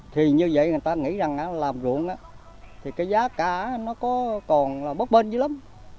thì như vậy người ta nghĩ rằng làm ruộng thì cái giá cả nó còn bớt bên dưới lắm